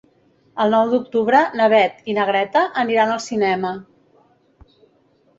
El nou d'octubre na Beth i na Greta aniran al cinema.